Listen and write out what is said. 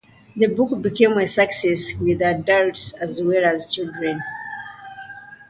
The book became a success with adults as well as children.